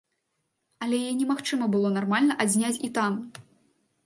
Але яе немагчыма было нармальна адзняць і там!